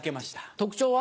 特徴は？